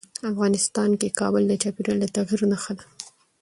افغانستان کې کابل د چاپېریال د تغیر نښه ده.